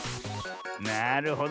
なるほど。